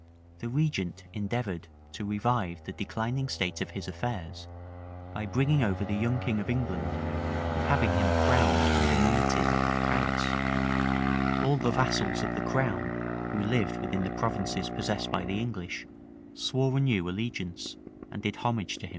{1430.} The regent endeavored to revive the declining state of his affairs, by bringing over the young king of England, and having him crowned and anointed at Paris,[] All the vassals of the crown who lived within the provinces possessed by the English, swore anew allegiance, and did homage to him.